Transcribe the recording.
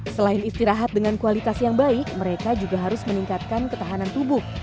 selain istirahat dengan kualitas yang baik mereka juga harus meningkatkan ketahanan tubuh